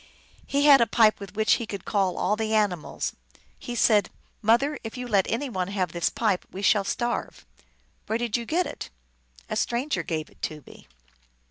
He had a pipe with which he could call all the ani mals. Pie said, " Mother, if you let any one have this pipe we shall starve." " Where did you get it ?"" A stranger gave it to me."